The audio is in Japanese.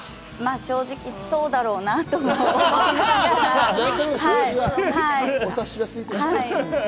正直そうだろうなと思いながら。